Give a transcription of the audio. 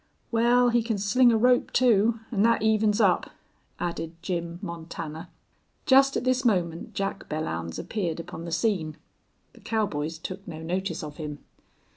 "Wal, he can sling a rope, too, an' thet evens up," added Jim Montana. Just at this moment Jack Belllounds appeared upon the scene. The cowboys took no notice of him.